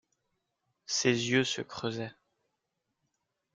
Ses yeux se creusaient.